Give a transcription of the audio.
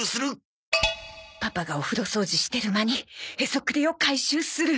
パパがお風呂掃除してる間にへそくりを回収する！